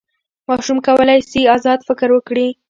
ماشوم کولی سي ازاد فکر وکړي.